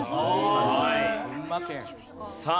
さあ